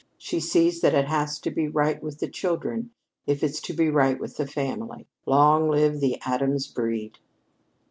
She sees that it has to be right with the children if it's to be right with the family. Long live the Addams breed!"